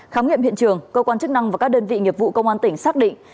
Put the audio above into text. khám nghiệm hiện trường cơ quan chức năng và các đơn vị nghiệp vụ công an tỉnh xác định